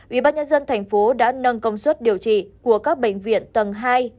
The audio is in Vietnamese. ủy ban nhân dân tp cn đã nâng công suất điều trị của các bệnh viện tầng hai ba